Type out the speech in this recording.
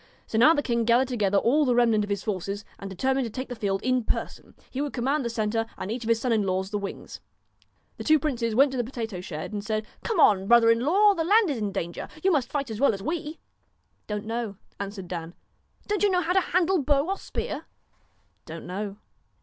So now the king gathered together all the remnant of his forces, and determined to take the field in person, he would command the centre, and each of his sons in law the wings. The two princes went to the potato shed, and said: 'Come on, brother in law, the land is in danger, you must fight as well as we.' 4 Don't know,' answered Dan. 1 Don't you know how to handle bow or spear?' Don't know.'